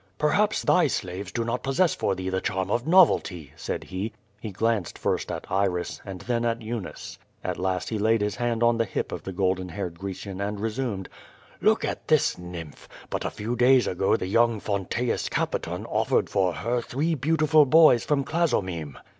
"Perhaps thy slaves do not possess for thee the charm of novelty," said he. He glanced first at Iris, and then at Eunice. At last he laid his hand on the hip of the golden haired Grecian and resumed: *Tjook at this nymph! But a few days ago the young Fonteius Capiton offered for her three beautiful boys from Clazomeme.